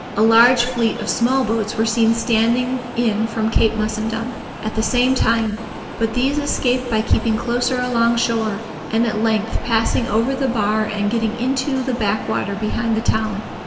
A large fleet of small boats were seen standing in from Cape Mussundum, at the same time; but these escaped by keeping closer along shore, and at length passing over the bar and getting into the back water behind the town.